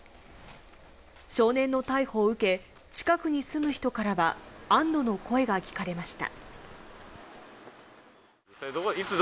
少年の逮捕を受け、近くに住む人からは安堵の声が聞かれました。